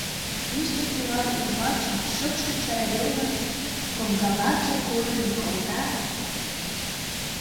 Йӱштӧ кӱвар ӱмбачын шокшо чарайолын коҥгаваке куржын колта...